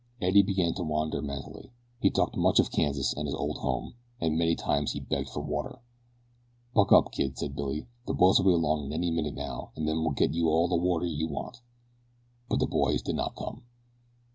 Eddie began to wander mentally. He talked much of Kansas and his old home, and many times he begged for water. "Buck up, kid," said Billy; "the boys'll be along in a minute now an' then we'll get you all the water you want." But the boys did not come.